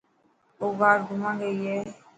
او گارڊ گھمڻ گئي هي.